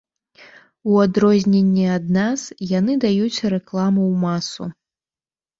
У адрозненне ад нас, яны даюць рэкламу ў масу.